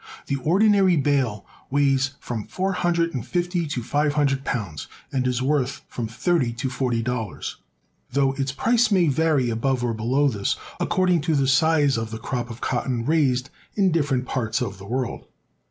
The ordinary bale weighs from four hundred and fifty to five hundred pounds, and is worth from thirty to forty dollars, though its price may vary above or below this, according to the size of the crop of cotton raised in different parts of the world.